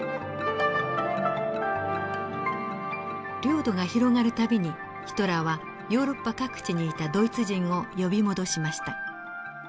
領土が広がる度にヒトラーはヨーロッパ各地にいたドイツ人を呼び戻しました。